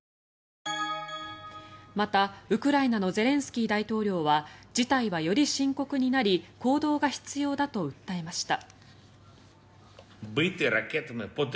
また、ウクライナのゼレンスキー大統領は事態はより深刻になり行動が必要だと訴えました。